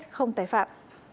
không tài phạm